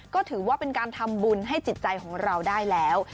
ก็ถือว่าเป็นการทำบุญให้จิตใจของเราได้แล้ว